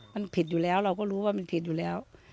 มันผิดอยู่แล้วเราก็รู้ว่ามันผิดอยู่แล้ว